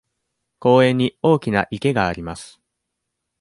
公園に大きな池があります。